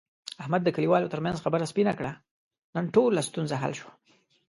احمد د کلیوالو ترمنځ خبره سپینه کړه. نن ټوله ستونزه حل شوه.